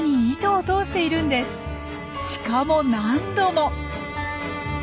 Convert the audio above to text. しかも何度も。